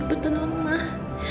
kalau baterainya mama lemah